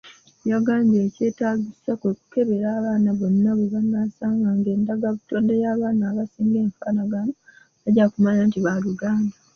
Yagambye ekyetaagisa kwe kukebera abaana bonna bwe banaasanga ng'endagabutonde y'abaana abasinga efaanagana bajja kumanya nti baaluganda.